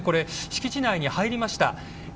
敷地内に入りました。